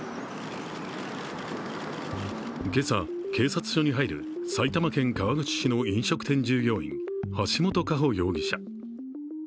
今朝、警察署に入る埼玉県川口市の飲食店従業員橋本佳歩容疑者。